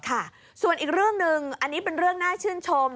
ค่ะส่วนอีกเรื่องหนึ่งอันนี้เป็นเรื่องน่าชื่นชม